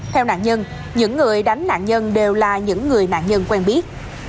theo nạn nhân những người đánh nạn nhân đều là những người nạn nhân quen biết